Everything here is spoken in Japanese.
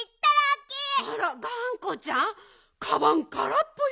あらがんこちゃんかばんからっぽよ！